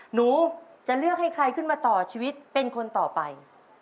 หนูจะเลือกให้ใครขึ้นมาต่อชีวิตเป็นคนต่อไป